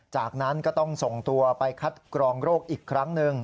จากนั้นก็ต้องส่งตัวไปคัดกรองโรคอีกครั้งหนึ่ง